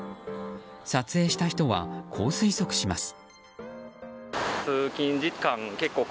撮影した人は、こう推測します。